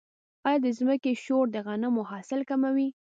آیا د ځمکې شور د غنمو حاصل کموي؟